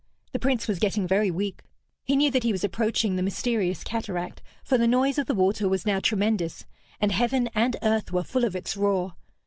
The Prince was getting very weak. He knew that he was approaching the mysterious cataract, for the noise of the water was now tremendous, and heaven and earth were full of its roar.